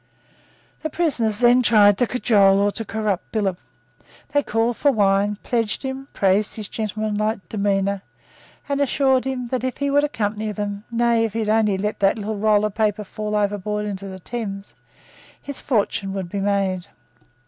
The prisoners then tried to cajole or to corrupt Billop. They called for wine, pledged him, praised his gentlemanlike demeanour, and assured him that, if he would accompany them, nay, if he would only let that little roll of paper fall overboard into the Thames, his fortune would be made.